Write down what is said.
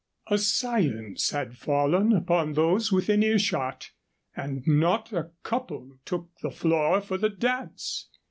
A silence had fallen upon those within earshot, and not a couple took the floor for the dance.